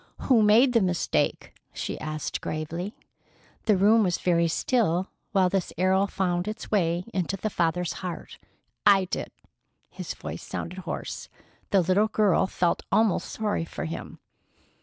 "Who made the mistake?" she asked gravely. The room was very still while this arrow found its way into the father's heart. "I did." His voice sounded hoarse. The little girl felt almost sorry for him.